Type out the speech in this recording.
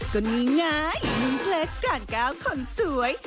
ก็นี่ไงมึงเพล็ดการกล้าวคนสวย